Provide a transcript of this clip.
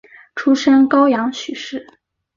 出身高阳许氏。